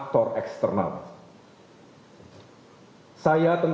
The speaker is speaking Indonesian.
tidak melebih persidangan